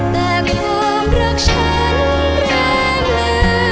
แต่ความรักฉันแรมเลย